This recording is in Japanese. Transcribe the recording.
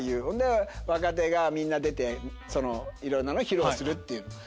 ほんで若手がみんな出ていろんなのを披露するっていう。